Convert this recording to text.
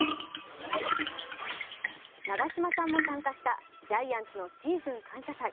長嶋さんも参加したジャイアンツのシーズン感謝祭。